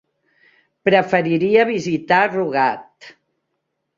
Preferiria visitar Rugat.